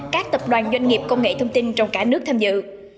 các tập đoàn doanh nghiệp công nghệ thông tin trong cả nước tham dự